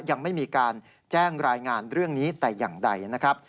ยังไม่มีการแจ้งรายงานเรื่องนี้แต่อย่างใดนะครับ